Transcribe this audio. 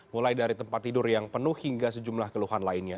mulai dari tempat tidur yang penuh hingga sejumlah keluhan lainnya